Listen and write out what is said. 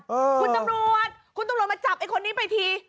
คุณตำรวจคุณตำรวจมาจับไอ้คนนี้ไปที